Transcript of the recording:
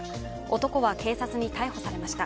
男は警察に逮捕されました。